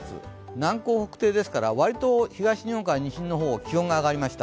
南高北低ですから割と東日本から西の方、気温が上がりました。